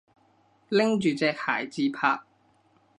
拎住隻鞋自拍